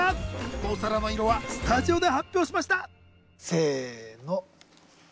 お皿の色はスタジオで発表しましたせの。